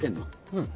うん。